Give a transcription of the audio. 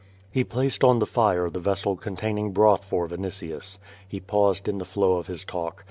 ^' He placed on the fire the vessel containing broth for Vin itius. He i)aused in the flow of his talk.